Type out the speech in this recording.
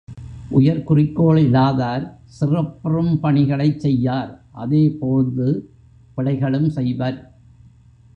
உயர் குறிக்கோள் இலாதார் சிறப்புறும் பணிகளை செய்யார் அதே போழ்து பிழைகளும் செய்வர்.